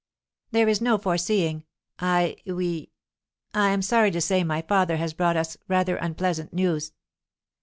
"There is no foreseeing. I we I am sorry to say my father has brought us rather unpleasant news."